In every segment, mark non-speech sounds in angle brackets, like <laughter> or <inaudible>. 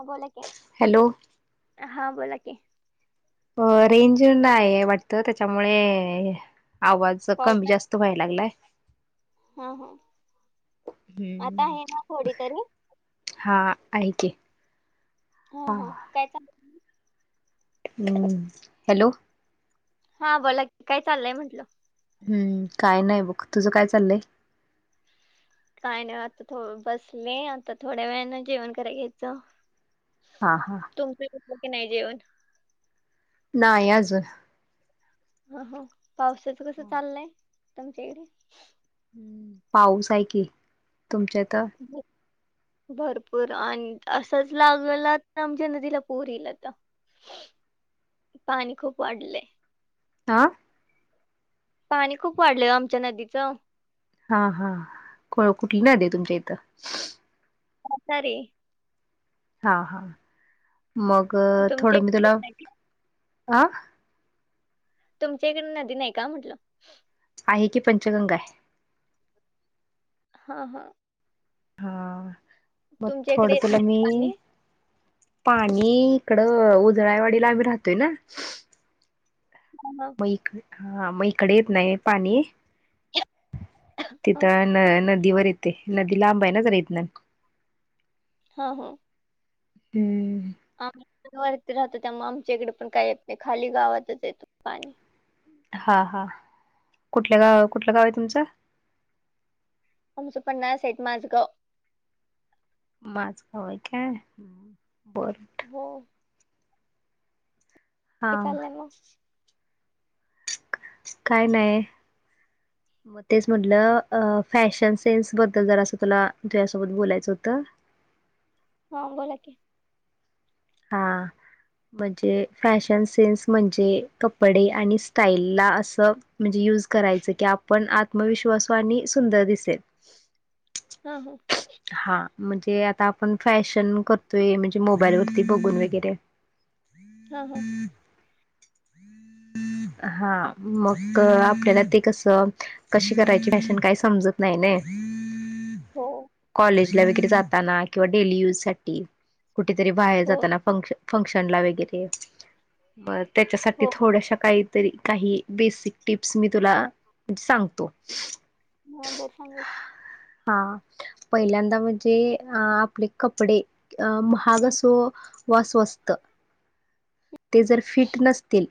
ह बोला कि, हॅलो हा बोला कि. अ, रेंज नाही वाटतं त्याच्यामुळे, आवाज कॉल कमी कट. जास्त तू काय लागलाय. हा हा आता हम्म. आहे ना थोडी तरी हा, आहे कि. हो, हो काय चालू हाय? हम्म, हॅलो. हा बोला कि, काय चाललंय म्हटलं? हम्म, काय नाही बघ. तुझं काय चाललंय? काय नाही आता थो, बसले. आता थोड्या वेळाने जेवण कराय घ्यायचं. हा, हा. तुमच होतुय कि नाही जेवण? नाही अजून. ह, हो, पावसाचं कसं हम्म. चाललंय तूमच्या इकडे? हम्, पाऊस आहे की, तुमच्या इथं? <unintelligible> भरपूर आणि असंच लागला तर आमच्या नदीला पुर येईल आता. <inaudible> पाणी खूप वाढलंय. हा. पाणी खूप वाढलय आमच्या नदीचं. हा, हा कुठली नदी हाय तुमच्या इथं? करत र <unintelligible> हा हा मग तुमच्या थोडं मी इकडे येत तुला नाही का? अ, तुमच्या इकडे नदी नाही का म्हटलं? आहे की पंचगंगा आहे. हा हा हा मग तुमच्या इकडे थोडं येत तुला नाही मी. पाणी पाणी इकडं उजळाळवाडीला आम्ही राहतोय ना. हो म हा मग इकडे येत नाही पाणी. हा तिथं न नदीवर येते नदी लांब आहे ना जरा इथन. हा हा हम्म आम्ही पण वरती राहतो त्यामुळे आमच्या इकडे पण काही येत नाही खाली गावातच येतो पाणी. हा हा कुठलं गाव कुठलं गाव आहे तुमचं? आम्हचं पन्हाळा साईट माझं गाव. माझंगाव काय ओके. हो हा काय चाललंय मग? काय नाही- तेच म्हटलं फॅशन सेन्स बद्दल जर असं तुला तुझ्यासोबत बोलायचं होतं. हा बोला की हा म्हणजे फॅशन सेन्स म्हणजे कपडे आणि स्टाईलला असं- म्हणजे युज करायचं की आपण आत्मविश्वासू आणि सुंदर दिसेल. हा हो हा म्हणजे आता आपण फॅशन करतोय, म्हणजे मोबाईल वरती बघून वगैरे हा हा हा मग आपल्याला ते कसं- कशी करायची फॅशन काही समजत नाही ना हो कॉलेजला वगैरे जाताना, किंवा डेली यूज साठी कुठेतरी बाहेर हो जाताना फंक्शन फंक्शन ला वगैरे म त्यांच्यासाठी हो थोड्याशा काही तरी काही बेसिक टिप्स मी तुला सांगतो. हा बरं सांगा हा पहिल्यांदा म्हणजे अ आपले कपडे अ महाग असो वा स्वस्त ते जर फिट नसतील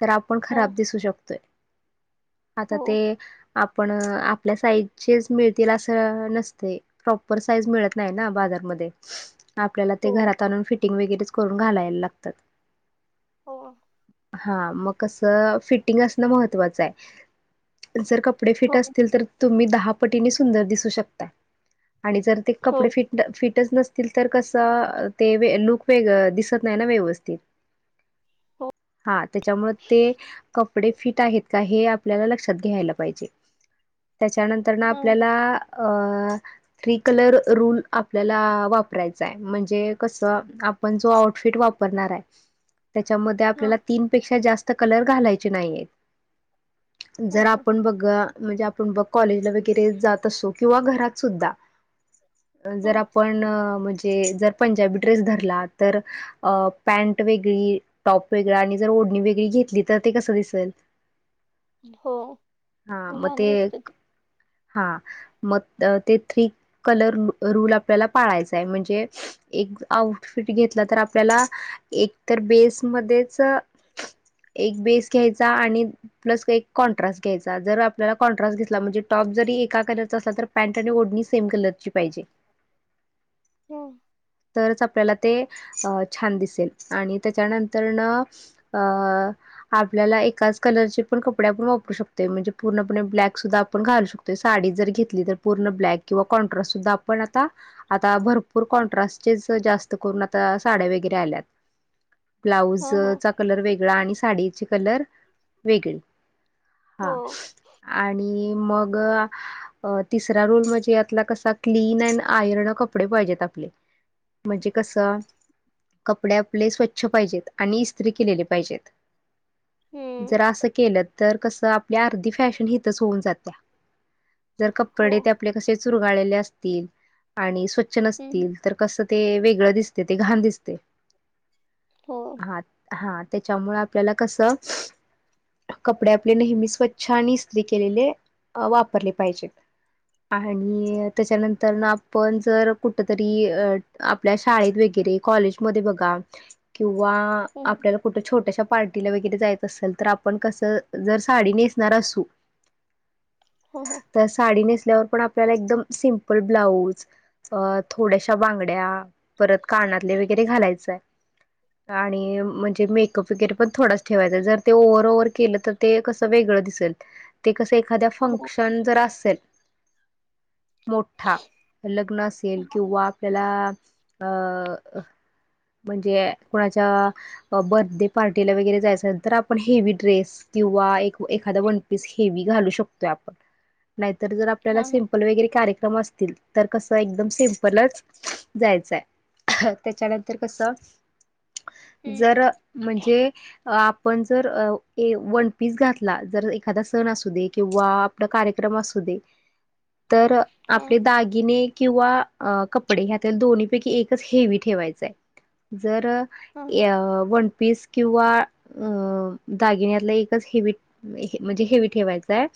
तर आपण हा खराब दिसू शकतोय आता हो ते आपण, आपल्या साईजचेच मिळतील असं नसते प्रॉपर साईज मिळत नाही ना बाजारमध्ये आपल्याला ते हो घरात आणून फिटिंग वगैरेच करून घालायला लागतात. हो हा मग कस फिटिंग असणं महत्वाचं आहे जर क कपडे फिट हो असतील तर तुम्ही दहा पटीने सुंदर दिसू शकता आणि जर ते कपडे हो फिट फिटच नसतील तर कसं ते लुक वेग दिसत नाही ना व्यवस्थित. हो हा त्याच्यामुळे ते कपडे फिट आहेत. का हे आपल्याला लक्षात घ्यायला पाहिजे. त्याच्यानंतर ना हा आपल्याला अ थ्री कलर रूल आपल्याला वापरायचा आहे. म्हणजे कसं आप आपण जो आउटफिट वापरणार आहे. त्याच्यामध्ये हा आपल्याला तीन पेक्षा जास्त कलर घालायचे नाहीयेत. हा जर हा आपण बघ म्हणजे आपण बघ कॉलेजला वगैरे जात असो किंवा घरात सुद्धा जर हा. आपण म्हणजे जर पंजाबी ड्रेस धरला तर अ पॅंट वेगळी टॉप वे आणि जर ओढणी वेगळी घेतली तर ते कसं दिसेल. हो हा म घाण ते दिसतं एक हा मग ते थ्री कलर रूल आपल्याला पाळायचा आहे. म्हणजे एक आउटफिट घेतला तर आपल्याला एक तर बेसमध्येच एक बेस घ्यायचा आणि प्लस एक कॉन्ट्रास्ट घ्यायचा. जर आपल्याला कॉन्ट्रास्ट घेतला म्हणजे टॉप जरी एका कलरचा असला तर पॅन्ट आणि ओढणी सेम कलर ची पाहिजे. <unintelligible> तरच आपल्याला ते छान दिसेल आणि त्याच्यानंतरन ह आपल्याला एकाच कलरचे पण कपडे आपण वापरू शकतो. म्हणजे पूर्णपणे ब्लॅक सुद्धा आपण घालू शकतो. ते साडी जर घेतली तर पूर्ण ब्लॅक किंवा कॉन्ट्रास्ट सुद्धा आपण आता आता भरपूर कॉन्ट्रास्ट तेच तर जास्त करून आता साड्या वैगरे आल्यात. ब्लाउज हा हा चा कलर वेगळा आणि साडी ची कलर वेगळी हो हा प आणि मग ह अ तिसरा रोल म्हणजे यातला कसा क्लीन अँड आयर्न कपडे पाहिजेत. आपले म्हणजे कसं कपडे आपले स्वच्छ पाहिजेत आणि इस्त्री केलेले पाहिजेत. हम्म जर असं केलं तर कसं आपली अर्धी फॅशन हितच होऊन जात्या. जर हो कपडेेत आपल्या कसे चुरगाळलेले असतील आणि स्वच्छ हम्म नसतील तर कसं ते वेगळं दिसते. ते घाण दिसतय. हो हा हा त्याच्यामुळे आपल्याला कसं कपडे आपले नेहमी स्वच्छ आणि इस्त्री केलेले वापरले अ पाहिजेत. आणि त्याच्यानंतर न आपण जर कुठ तरी अ आपल्या शाळेत वगैरे कॉलेजमध्ये बघा किंवा हम्म, आपल्याला कुठं छोट्याश्या पार्टीला वगैरे जायचं असेल तर, आपण कसं जर साडी नेसणार असू <inaudible> हां ना तर साडी नेसल्यावर पण आपल्याला एकदम सिंपल ब्लाऊज थोड त्या बांगड्या परत कानातले वगैरे घालायचंय. आणि म्हणजे मेकअप वगैरे पण थोडाच ठेवायच. जर ते ओव्हर ओव्हर केलं तर ते कस वेगळं दिसेल ते कस एखाद्या हो फंक्शन पण जर असेल, मोठा लग्न असेल किंवा त्याला... अ... म्हणजे.. अ... कोणाच्या मग, बडेडे पार्टीला वगैरे जायचं, तर आपण हेवी ड्रेस किंवा एक म एखाद वन पीस हेवी घालू शकतोय. आपण नाहीतर. जर आपल्याला हा हा सी पन वगैरे कार्यक्रम असतील, तर कस एकदम सिमपलच जायचाय... ह... त्याच्यानंतर कस हम्म, जर म्हणजे.... आपण जर अ वनपीस घातला. जर एखादा, सण असू दे किंवा कार्यक्रम असु दे. तर हो आपले दागिने किंवा अ कप कपडे. ह्या दोन्ही पैकी एकच हेवी ठेवायचय. जर हा य वन पीस किंवा अ.... दागिन्यातला एकच हेवी म... <inaudible> अ.... म्हणजे हेवी ठेवायचाय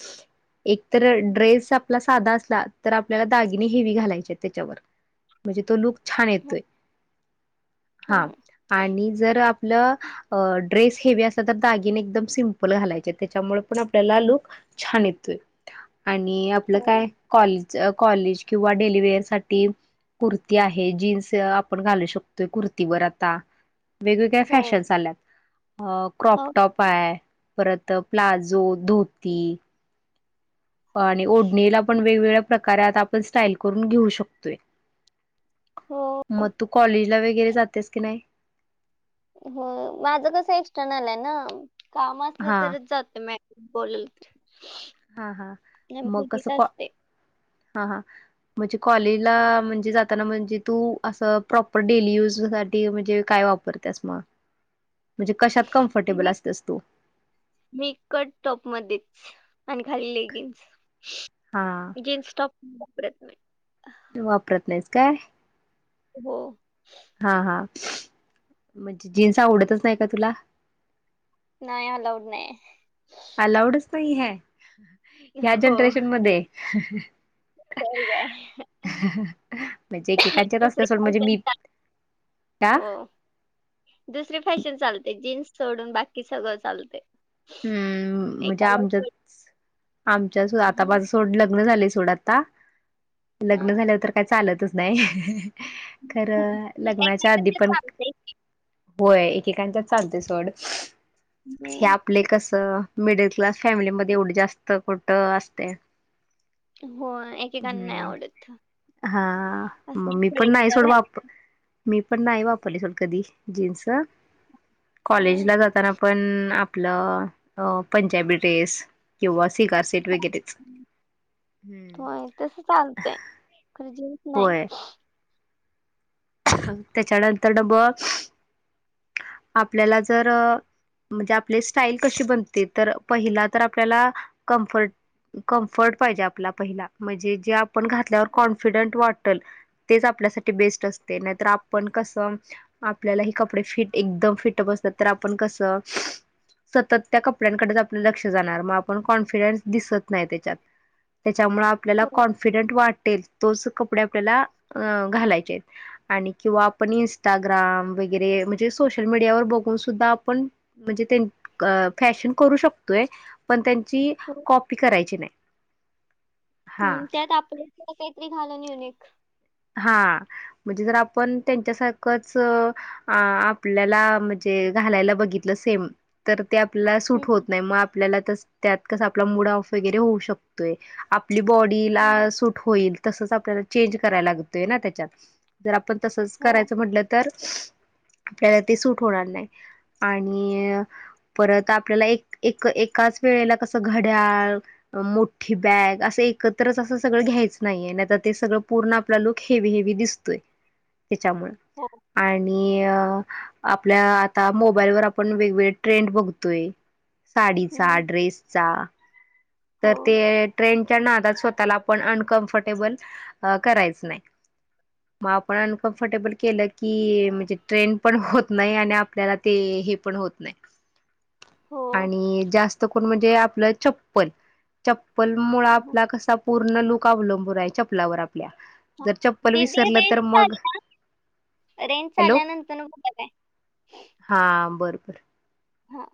एक तर हा ड्रेस आपला साधा असला, तर आपल्याला दागिने हेवी घालायचे. त्याच्यावर म्हणजे तो लुक छान हां, येतोय. हां, हा हां. आणि जर आपलं अ... ड्रेस हेवी असत <inaudible> तर दागिने एकदम सिम्पल घालायचे, त्याच्यामुळे पण आपल्याला लुक छान येतोय. आणि आपलं काय, हो, कॉलेज कॉलेज किंवा डेलीवेअर साठी कुर्ती आहे. जीन्स अ आपण घालू शकतोय. कुर्तीवर आता वेगवेगळ्या हो, फॅशेशन आल्यात. क्रॉप हो, टॉप पाय, परत प्लाजो, धोती आणि ओढणीला पण वेगवेगळ्या प्रकारे आता. आपण स्टाईल करून घेऊ शकतोय हो, मग, तू कॉलेज ला वगैरे जातीस की नाही? हो माझं कस एक्सटर्नल आहे ना. काम असलं हा तरच जातो. म बोललट हा... हा.. मग कसं काॅ. हा... हा म्हणजे कॉलेजला म्हणजे जाताना. म्हणजे, तू असं प्रॉपर डेली युज साठी म्हणजे काय वापर स मग म्हणजे, कशात कम्फर्टेबल मी असतेस तू. मी, कट टॉपमध्येध्येच आणि खाली लेगिंग्स. हा... गेन <inaudible> स्टॉप प्रयत्न वापरत नाहीस काय? हो... हा... हा.. म्हणजे जीन्स आवडतच नाही का तुला? नाही, अलाऊड नाय हाय अलाऊडच नाही. हाय ह्या हो. जनरेशन मध्ये ह... तर काय. ह... म्हणजेे <inaudible> <inaudible> कांच्या त असल्या सोड म्हणजे मी त्या हा... दुसरी फॅशन चालते. जीन्स सोडून बाकी सगळं चालते. हम्म... म्हणजे एकाला आमच्या आमच्या आता, हं, माझं सोड लग्न झाले सोडत. लग्न हां. झाल्या तर काय चालतच नाही. एकेकांचं खरं... लग्नाच्या आधी पण... चालते. होय, एकेकांच्या चालते सोड. हं. ह्या आपले कसं, मिडल क्लास फॅमिलीमध्येध्ये एवढे जास्त कुठं असते. हो... एकेकांना नाही हम्म आवडत. हा.. मग असं ममी इकडे पण नाही तिकडे सोड बा. घाल मी पण नाही वापरली, सल कधी, जीन्स, हम्म. कॉलेजला जाताना, पण आ आपलं, पंजाबी ड्रेस किंवा सीगार सेट वगैरेच, हम्म. तस चालतय, खजिन च नाही. होय त्याच्यानंतर बक्स, आपल्याला जर म्हणजे आपली स्टाईल कशी बनते, तर पहिला तर आपल्याला, कम्फर्ट कम्फर्ट पाहिजे, आपला पहिला, म्हणजे जे आपण घात ज्यावर कॉन्फिडंट वाटल, तेच आपल्यासाठी बेस्ट असतय, नाहीतर आपण कस आपल्याला हीं कपडे फिटिंग, एकदम फिट बसतात, तर आपण कसं सतत त्या कपड्यांकडेच, आपलं लक्ष जाणार, मग आपण कॉन्फिडन्स दिसत नाही, त्याच्यात. त्याच्यामुळे आपल्याला हो कॉन्फिडंट वाढतेच, तोच कपडे आपल्याला, अ घालायचे आणि किंवा आपण इनस्टाग्राम वगैरे, म्हणजे सोशल मीडियावर बघून, सुद्धा आपण म्हणजे तें, फॅशन करू शकतोय, पण त्यां ची, हो कॉपी करायची नाही. हा हम्, त्यात आपलं, <unintelligible> काहीतरी घाळून युनिक हा, म्हणजे जर आपण, त्यांच्यासारखंच अ आपल्याला, म्हणजे घालायला बघितलं, सेम तर, ते आपल्याला सूट होत नाही, मग आपल्याला तस त्यात कस, आपला मुड ओफ वगैरे होऊ शकतोय, आपली बॉडीला सूट होइल, तसच आपल्याला, चेंज कराय लागतय ना, त्याच्यात, जर आपण तसच हो करायचं म्हटलं तर आपल्याला, ते सूट होणार नाही, आणि परत आपल्याला एक, एक-एकाच वेळेला कसं, घड्याल अ मोठी बॅग, असं एकत्रच, असं सगळं घ्यायच नाहीये, नाहीतर ते सगळं पूर्ण आपला लूक, हेवी- हेवी दिसतोय, त्याच्यामु हो. आणि अ आपल्या आता, मोबाईलवर आपण, वेगवेगळे ट्रेंड बघतोय. साडीचा, हम्म, ड्रेसचा हो तर ते ट्रेनच्या नादात, स्वतःला आपण, अनकम्फर्टेबल अ करायचं नाही, मग आपण कंफर्टेबल केलं की म्हणजे ट्रेन्ड, पण होत नाही आणि आपल्याला ते, हे पण होत नाही. हो आणि जास्त कोण, म्हणजे आपलं चप्पल चप्पल मुळ हो. आपला, कसा पूर्ण लूक अवलंबून हाय, चप्पलावर आपल्या हा. जर चप्पल दीदी विसरलं, रेंज तर चाल मग रेंज हॅलो आल्यानंतर, कुठं काय? हा, बर बर. हा.